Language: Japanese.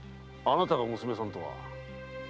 あなたが娘さんとは。